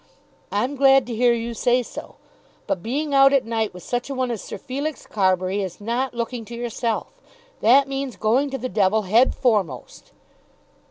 "I'm glad to hear you say so, but being out at night with such a one as Sir Felix Carbury is not looking to yourself. That means going to the devil head foremost."